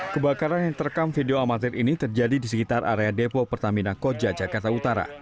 kebakaran yang terekam video amatir ini terjadi di sekitar area depo pertamina koja jakarta utara